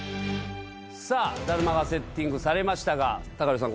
さあだるまがセッティングされましたがＴＡＫＡＨＩＲＯさん